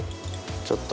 ちょっと。